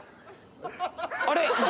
あれ？